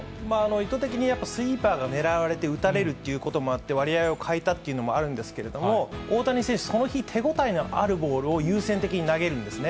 意図的にやっぱりスイーパーが狙われて打たれるということもあって、割合を変えたというのもあるんですけれども、大谷選手、その日、手応えのあるボールを優先的に投げるんですね。